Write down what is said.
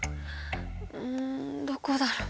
うんどこだろう？